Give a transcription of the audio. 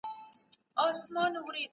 که ډيموکراسي وي خلګ خوشحاله وي.